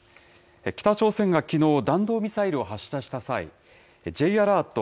北朝鮮がきのう、弾道ミサイルを発射した際、Ｊアラート